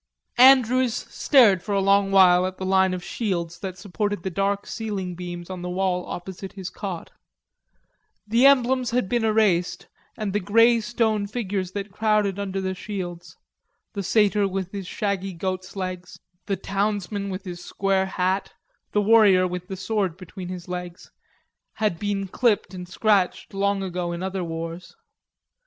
Andrews stared for a long while at the line of shields that supported the dark ceiling beams on the wall opposite his cot. The emblems had been erased and the grey stone figures that crowded under the shields, the satyr with his shaggy goat's legs, the townsman with his square hat, the warrior with the sword between his legs, had been clipped and scratched long ago in other wars.